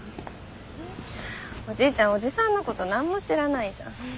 おじいちゃんおじさんのこと何も知らないじゃん。